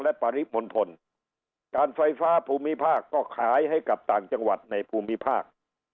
การไฟฟ้าฝ่ายภูมิภาคก็ขายให้กับต่างจังหวัดในภูมิภาค